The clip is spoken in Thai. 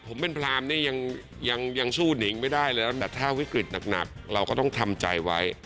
ผมเป็นพรามเนี้ยยังยังยังชู้นิ่งไม่ได้แล้วแต่ถ้าวิกฤตหนักหนักเราก็ต้องทำใจไว้